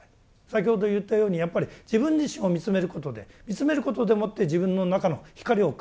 先ほど言ったようにやっぱり自分自身を見つめることで見つめることでもって自分の中の光を感じます。